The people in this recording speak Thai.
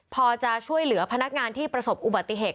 พอจะช่วยเหลือพนักงานที่ประสบอุบัติเหตุ